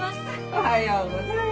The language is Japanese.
おはようございます。